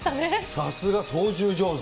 さすが、操縦上手。